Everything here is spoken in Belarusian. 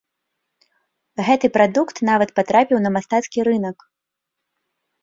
Гэты прадукт нават патрапіў на мастацкі рынак.